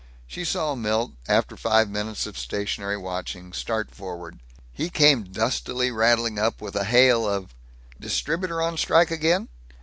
She saw Milt, after five minutes of stationary watching, start forward. He came dustily rattling up with a hail of "Distributor on strike again?"